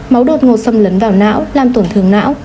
máu đột ngột xâm lấn vào não làm tổn thương não